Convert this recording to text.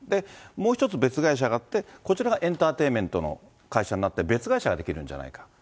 もう一つ別会社があって、こちらがエンターテインメントの会社になって、別会社ができるんじゃないか。